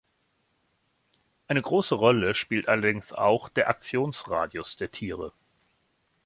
Eine große Rolle spielt allerdings auch der Aktionsradius der Tiere.